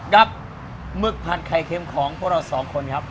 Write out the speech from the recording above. หมึกผัดไข่เค็มของพวกเราสองคนครับ